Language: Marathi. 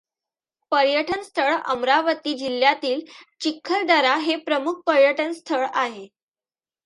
पर्यटनस्थळ अमरावती जिल्ह्यातील चिखलदरा हे प्रमुख पर्यटनस्थळ आहे.